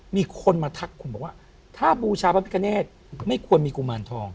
มีคนมาทักคุณบอกว่าถ้าบูชาพระพิกเนธไม่ควรมีกุมารทอง